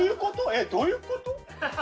えっどういうこと？